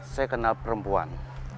saya kenal perempuan